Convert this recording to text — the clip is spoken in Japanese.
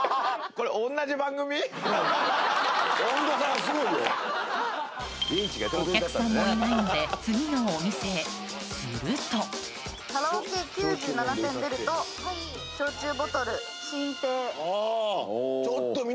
これお客さんもいないので次のお店へすると「カラオケ９７点出ると焼酎ボトル進呈」